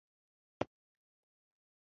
لې لیان په بندو کلیو کې اوسېدل.